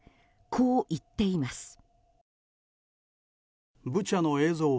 こう言っています。